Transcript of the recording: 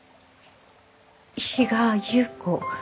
比嘉優子。